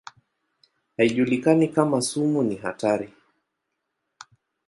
Haijulikani kama sumu ni hatari.